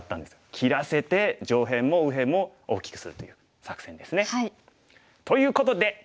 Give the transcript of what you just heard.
切らせて上辺も右辺も大きくするという作戦ですね。ということで。